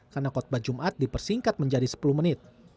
karena khotbah jumat dipersingkat menjadi sepuluh menit